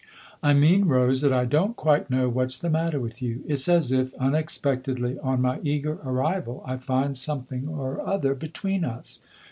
"I mean, Rose, that I don't quite know what's the matter with you. It's as if, unexpectedly, on my eager arrival, I find something or other between us."